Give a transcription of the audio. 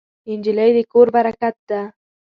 نجلۍ د کور برکت ده.